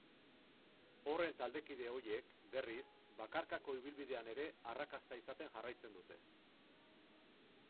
Horren taldekide ohiek, berriz, bakarkako ibilbidean ere arrakasta izaten jarraitzen dute.